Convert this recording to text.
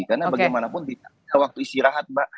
karena bagaimanapun tidak ada waktu istirahat mbak